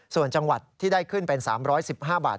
ส่วนจังหวัดที่ได้ขึ้นเป็น๓๑๕บาท